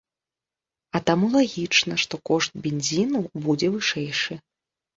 А таму лагічна, што кошт бензіну будзе вышэйшы.